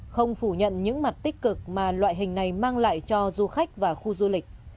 không phủ nhận những mặt tích cực mà loại hình này mang lại cho du khách và khu du lịch